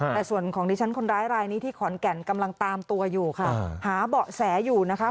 แต่ส่วนของดิฉันคนร้ายรายนี้ที่ขอนแก่นกำลังตามตัวอยู่ค่ะหาเบาะแสอยู่นะคะ